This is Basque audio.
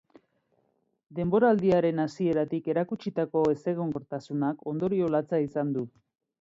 Denboraldiaren hasieratik erakutsitako ezegonkortasunak ondorio latza izan du.